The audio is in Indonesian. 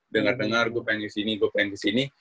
dengar dengar gue pengen kesini gue pengen kesini